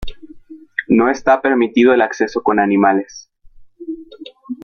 No está permitido el acceso con animales.